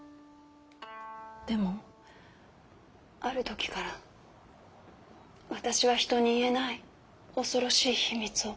でもある時から私は人に言えない恐ろしい秘密を。